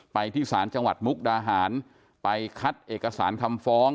ที่ศาลจังหวัดมุกดาหารไปคัดเอกสารคำฟ้อง